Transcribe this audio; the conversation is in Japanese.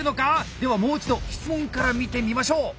ではもう一度質問から見てみましょう。